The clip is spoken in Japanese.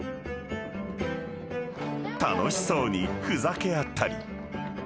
［楽しそうにふざけ合ったり］